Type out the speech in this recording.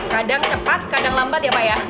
kadang cepat kadang lambat ya pak ya